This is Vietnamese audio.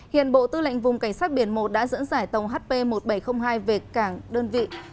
hiện bộ tư lệnh vùng cảnh sát biển một đã dẫn dải tàu hp một nghìn bảy trăm linh hai về cảng đơn vị